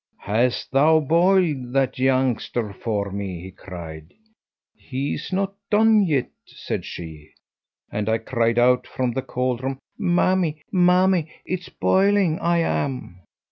'Hast thou boiled that youngster for me?' he cried. 'He's not done yet,' said she, and I cried out from the caldron, 'Mammy, mammy, it's boiling I am.'